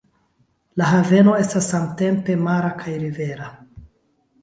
La haveno estas samtempe mara kaj rivera.